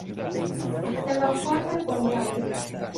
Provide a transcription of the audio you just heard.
اختلافات بنیادی